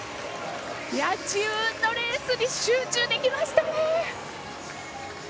自分のレースに集中できましたね！